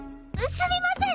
すみません。